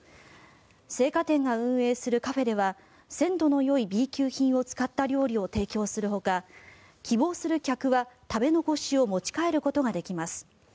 青果店が運営するカフェでは鮮度のよいＢ級品を使った料理を提供するほか希望する客は、食べ残しを持ち帰ることができます。